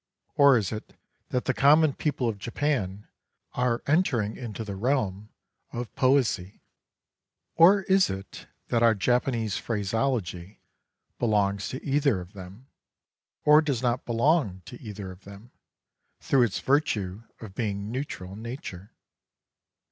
Or is it that the common people of Japan are entering into the realm of poesy ? Or is it that our Japanese phraseology belongs to either of them, or does not belong to either of them, through its virtue of being neutral in nature